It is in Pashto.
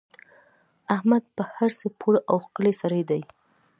احمد په هر څه پوره او ښکلی سړی دی.